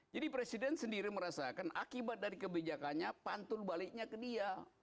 jadi presiden sendiri merasakan akibat dari kebijakannya pantul baliknya ke dia